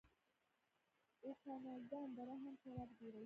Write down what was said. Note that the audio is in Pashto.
اوکاناګن دره هم شراب جوړوي.